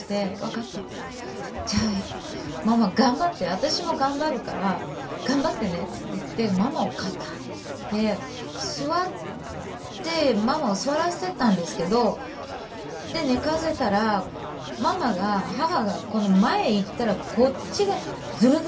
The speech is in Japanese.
私も頑張るから頑張ってね」って言ってママを抱えて座ってママを座らせたんですけどで寝かせたらママが母がこの前行ったらこっちがズルズルズル。